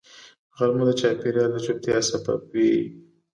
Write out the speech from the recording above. غرمه د چاپېریال د چوپتیا سبب وي